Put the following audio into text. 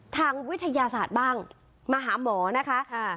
ทางวิทยาศาสตร์บ้างมาหาหมอนะคะ